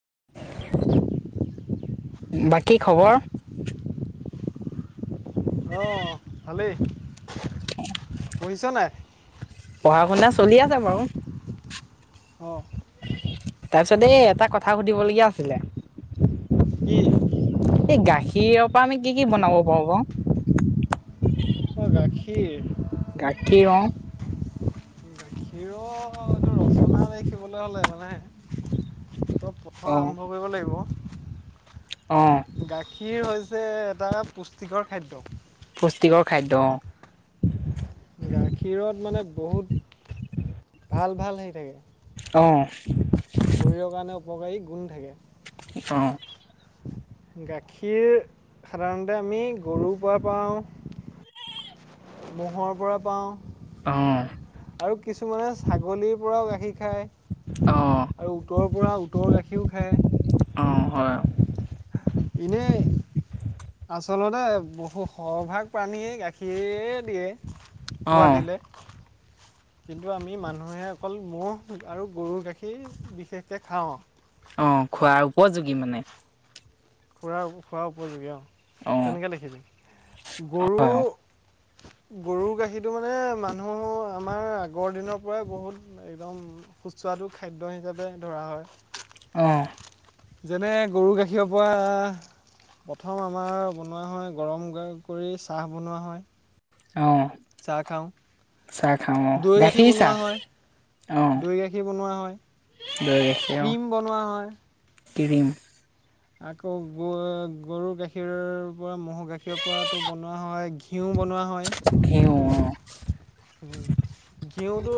[inaudible] বাকী খবৰ? অ, ভালেই। [inaudible] পঢ়িছ নাই? পঢ়া শুনা চলি আছে বাৰু। অ, তাৰ পিছত দ এটা কথা সুধিবলগীয়া আছিলে। কি? এই গাখীৰৰ পৰা আমি কি, কি বনাব পাৰো বাৰু? অ, গাখীৰ গাখীৰ, অ' কিৰ এইটো ৰচনা দেখিবলৈ হলে মানে হয় অ আৰম্ভ কৰিব লাগিব। অ'। গাখীৰ হৈছে এটা পুষ্টিকৰ খাদ্য। পুষ্টিকৰ খাদ্য অ'। গাখীৰত মানে বহুত ভাল, ভাল হে থাকে। অ'। শৰীৰৰ কাৰণে উপকাৰী গুণ থাকে। অহ। গাখীৰ সাধাৰণতে আমি গৰুৰ পৰা পাওঁ। ম'হৰ পৰা পাওঁ। অ'। আৰু কিছুমানে ছাগলীৰ পৰাও গাখীৰ খাই অ আৰু উতৰৰ পৰা উতৰৰ গাখীৰও খায়। অ, হয়। এনেই আচলতে বহু সৰভাগ প্ৰাণীয়ে গাখীৰৰে দিয়ে। অ পোৱালিলে। কিন্তু আমি মানুহে অকল ম'হ আৰু গৰুৰ গাখীৰ বিশেষকৈ খাওঁ। অ, খোৱাৰ উপযোগী মানে। খুুৰৰা, খুৰ উপযোগী আৰু অ তেনেকৈ দেখিছে গৰু হয় গৰুৰ গাখীৰটো মানে মানুহ আমাৰ আগৰ দিনৰ পৰাই বহুত একদম সুস্বাদু খাদ্য হিচাপে ধৰা হয়। [inaudible] যেনে গৰু গাখীৰক বা প্ৰথম আমাৰ বনোৱা হয়। গৰম কৰি চাহ বনোৱা হয়। অ'। চাহ খাওঁ চাহ খাওঁ অ দৈ গাখীৰ বনোৱা চাহ হয়। অ দৈ গাখীৰ বনোৱা দৈ গাখীৰ হয়। অ ক্ৰীম বনোৱা হয়। ক্ৰীম। আকৌ গ-গৰু গাখীৰৰ পৰা ম'হৰ গাখীৰ পৰাতো বনোৱা হয় ঘী ঘিউ বনোৱা হয়। ঘিউ অ'। ঘিউটো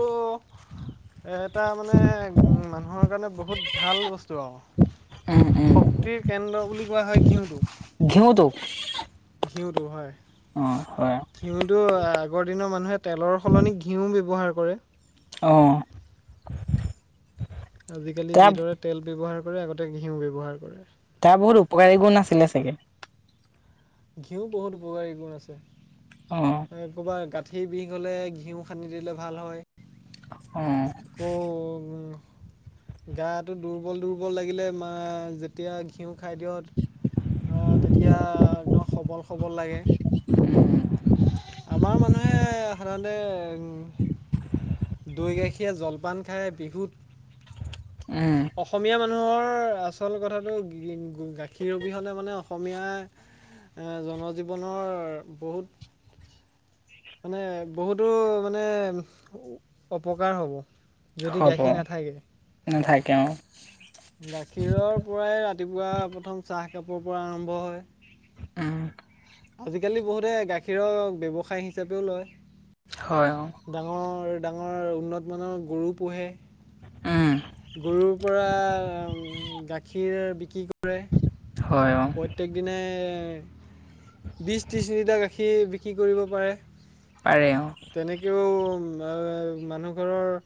এটা মানে মানুহৰ কাৰণে বহুত ভাল বস্তু। উম উম শক্তিৰ কেন্দ্ৰ বুলি কোৱা হয় ঘিঁউটো। ঘিউটো। ঘিউটো হয়। অ, হয়। ঘিউটো আগৰ দিনৰ মানুহে তেলৰ সলনি ঘিউ ব্যৱহাৰ কৰে। অ'। আজিকালি তাৰ যিদৰে তেল ব্যৱহাৰ কৰে, আগতে ঘিউ ব্যৱহাৰ কৰে। তাৰ বহুত উপকাৰী গুণ আছিলে চাগে। ঘিউ বহুত উপকাৰী গুণ আছে। অ'। ক'ৰবাত গাঁঠিৰ বিষ হ'লে ঘিউ সানি দিলে ভাল হয় অ আকৌ গাটো দুৰ্বল দুৰ্বল লাগিলে মা যেতিয়া ঘিউ খাই দিয়ক তেতিয়া সবল সবল লাগে আমাৰ মানুহে সাধাৰণতে উম দৈ গাখী পখীয়ে জলপান খায় বিহুত উ অসমীয়া মানুহৰ আচল কথাটো গাখীৰ অবিহলে মানে অসমীয়া এ জনজীৱনৰ বহুত মানে বহুতো মানে অপকাৰ হ'ব যদি হ'ব গাখীৰ নাথাকে গাখীৰৰ পৰাই ৰাতিপুৱা প্ৰথম চাহ কাপৰ পৰা আৰম্ভ হয় উ আজিকালি বহুতে গাখীৰৰ ব্য্ৱসায় হিচাপেও লয় হয় ডাঙৰ ডাঙৰ উন্নতমানৰ গৰু পোহে উম, গৰুৰ পৰা গাখীৰ বিক্ৰী কৰ হয় অ', প্ৰত্যেক দিনে বিশ ত্ৰিশ মিনিটাৰ সি বিক্ৰী কৰিব পাৰে পাৰে অ তেনেকৈও মানুহ ঘৰৰ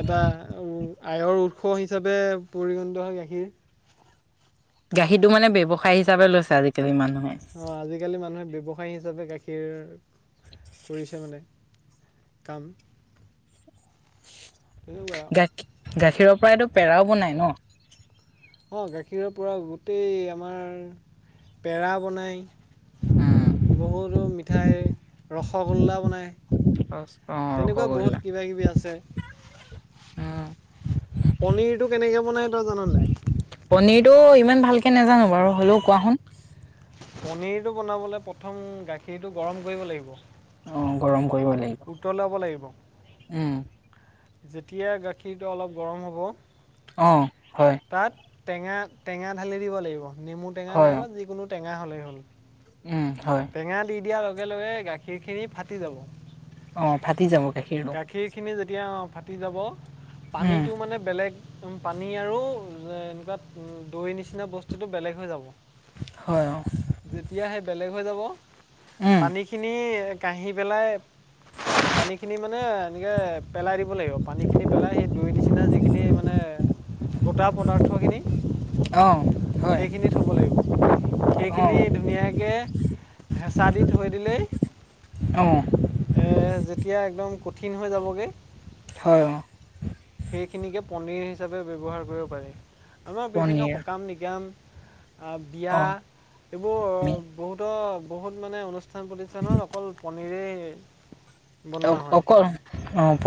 এটা আয়ৰ উৎস হিচাপে পৰিগণিত হয় গাখীৰ গাখীৰটো মানে ব্যৱসায় হিচাপে লৈছে আজিকালি মানুহে অঁ আজিকালি মানুহে ব্যৱসায় হিচাপে গাখীৰ কৰিছে মানে কাম তেনেকুৱা গাখীৰ গাখীৰৰ পৰা এইটো পেৰাও বনাই ন অঁ গাখীৰৰ পৰা গোটেই আমাৰ পেৰা উম, বনায় বহুতো মিঠাই ৰসগোল্লা বনায় অ', তেনেকুৱা ৰসগোল্লা বহুত কিবা কিবি আছে উম, পনীৰটো কেনেকৈ বনায় তই জানানে পনিৰটো ইমান ভালকে নোজানো বাৰু হ'লেও কোৱা শুোন পনীৰটো বনাবলৈ প্ৰথম গাখীৰটো গৰম কৰিব লাগিব অ গৰম কৰিব লাগিব উত্তৰ ল'াব লাগিব উম যেতিয়া গাখীৰটো অলপ গৰম হ'ব অঁ হয় তাত টেঙা টেঙা ঢালি দিব লাগিব নেমু টেঙা হয়, নাইব অ', যিকোনো টেঙা হ'লেই হ'ল হয় টেঙা দি দিয়াৰ লগে লগে গাখীৰখিনি ফাটি যাব অ ফাটি যাব গাখীৰ খীৰখিনি যেতিয়া ফাটি যাব উম, পানীটো মানে বেলেগ এক পানী আৰু এনেকুৱা দৈ নিচিনা বস্তুটো বেলেগ হৈ যাব হয় যেতিয়া সে বেলেগ হৈ যাব উম পানীখিনি কহি পেলাই উ পানীখিনি মানে এনেকৈ পেলাই দিব লাগিব পানীখিনি পেলাই সেই দুই নিচিনা যিখিনি মানে গোটা পদাৰ্থখিনি অ', হয়, সেইখিনি থ'ব লাগিব সখিনি অ', ধুনীয়াকৈ হেঁচা দি থৈ দিলেই অ'। যেতিয়া একদম কঠিন হৈ যাবগৈ। হয়, অ'। সেইখিনিকে পনীৰ হিচাপে ব্যৱহাৰ কৰিব পাৰি আমাৰ বিভিন্ন পনীৰ সকাম, নিকাম বিয়া অ', এইবোৰ আমি বহুতো, বহুত মানে অনু প্ৰতিষ্ঠান, প্ৰতিষ্ঠানত অকল পনীৰে অ, অকল অ, প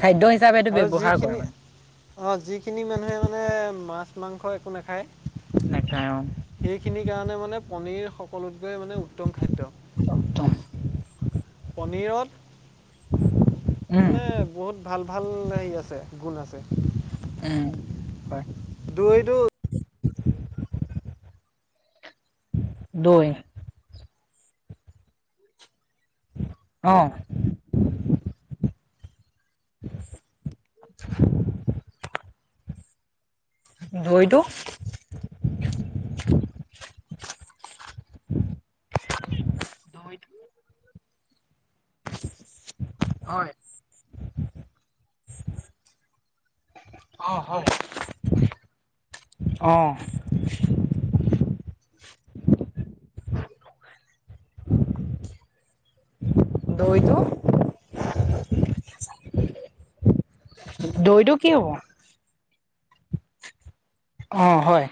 খাদ্যয় আৰু যিখিনি অ, যিখিনি মানুহে মানে মাছ, মাংস একো নাখায়। নেখায় অ'। সেইখিনিৰ কাৰণে মানে পনীৰ সকলোতকৈ মানে উত্তম খাদ্য। ত পনীৰত উম, মানে বহুত ভাল। ভাল আহি আছে গুণ আছে। উম। হয়, দুই, দুই দুই। অ'। [inaudible] দৈ টো? হয়। অ, হয়, আহ। দৈ টো? দৈ টো কি হ'ব? অ, হয়।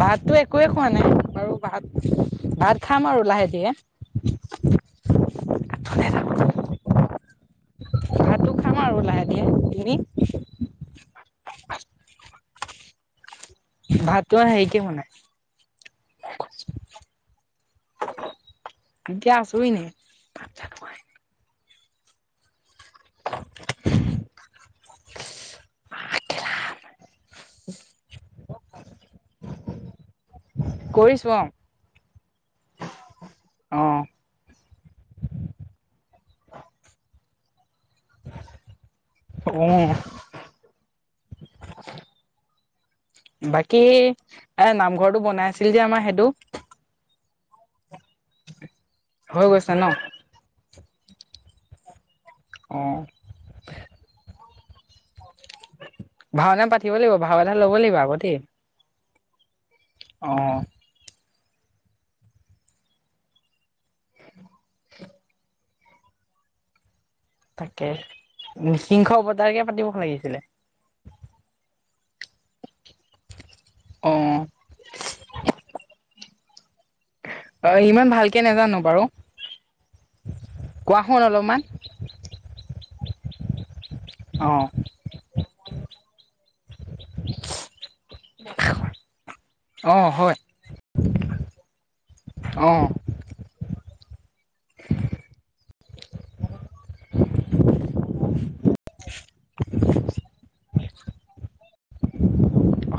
ভাতটো একোৱে খোৱা নাই বাৰু, ভাত, ভাত খাম আৰু লাহে ধীৰে‌। [inaudible] ভাতটো খাম আৰু লাহে ধীৰে সেইখিনি ভাতো আৰু হেৰিকে বনাই। গছইনে। [inaudible] [inaudible] কৰিছো অ'। অ'। [unintelligible] বাকী এ নামঘৰটো বনাই আছিল যে আমাৰ সেইটো। হৈ গৈছে ন'। অ'। ভাওনা পাতিব লাগিব ভাও এটা ল'ব লাগিব আকৌ দেই। অ'। তাকে নিসিংশ অবতাৰকে পাতিব পাৰিছিলে। অঁ'। অ' ইমান ভালকে নাজানো বাৰু কোৱা শোন অলপমান। অ'। অ' হয়। অ'।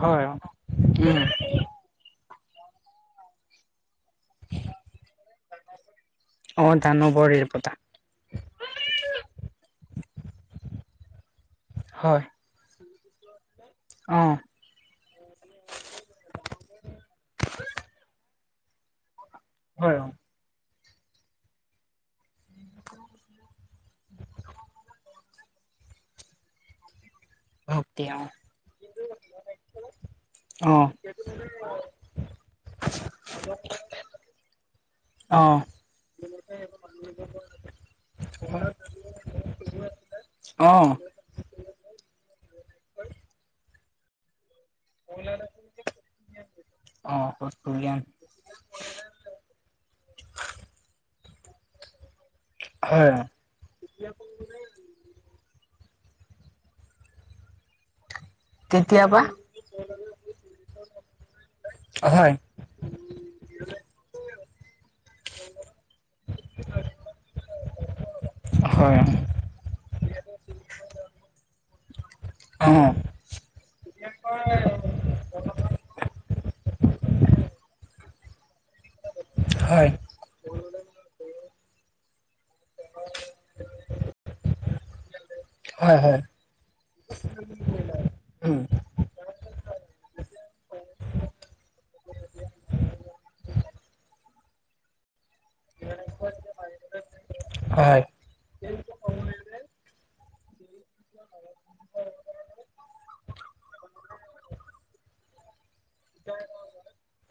হয় [unintelligible] উম। অ', দানৱৰ এইপতা। হয়। [inaudible] অ'। হয় অ'। তেওঁ। অ অ অ অ হয় কেতিয়াবা। অ', হয়। হয়। অ হয় হয়' হয়। উম হয়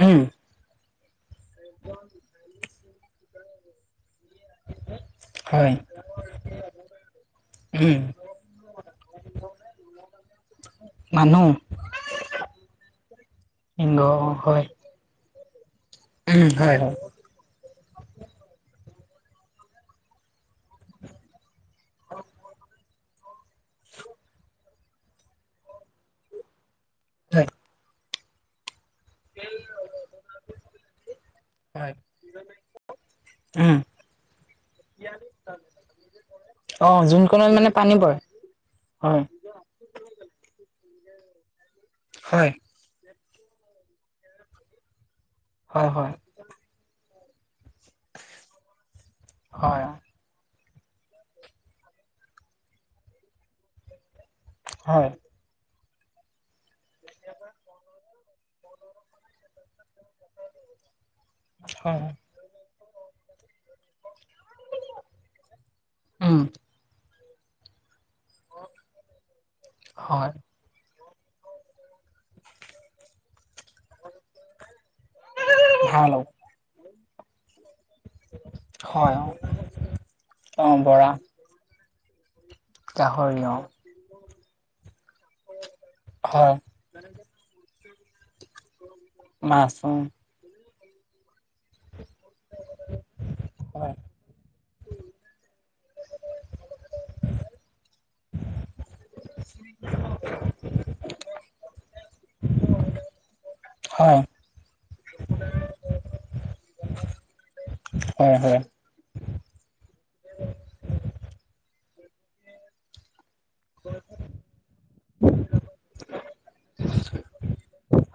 উম হয় উম মানুহ। [unintelligible] গ হয়। উম, হয়, হয়। হয় হয় উম অ, যোন কণত মানে পানী পৰে, হয়। হয়। হয়, হয়। হয়। হয় হয় হয় উম হয়। ভাল। হয়, অ'। অ, বৰা। গাহৰি অ'। হয়। মাছ উম। হয় হয় হয়, হয়।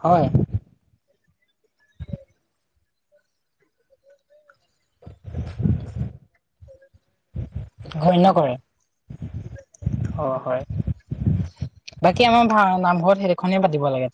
হয়। ঘন্য কৰে। অ, হয়। বাকী আমাৰ ভা নামঘৰত সেইদুখনে পাতিব লাগে।